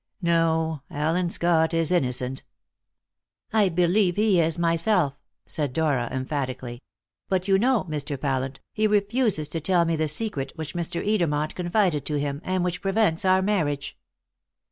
No; Allen Scott is innocent." "I believe he is myself," said Dora emphatically; "but you know, Mr. Pallant, he refuses to tell me the secret which Mr. Edermont confided to him, and which prevents our marriage."